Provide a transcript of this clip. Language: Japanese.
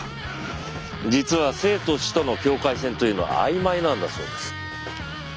実は生と死との境界線というのはあいまいなんだそうです。